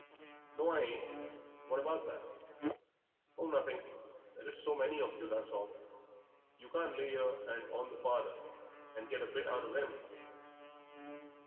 "No, I ain't; what about that?" "Oh, nothing; there is so many of you, that's all. You can't lay yer 'and on the father and get a bit out of 'im?"